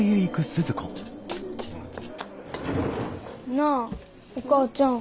なあお母ちゃん。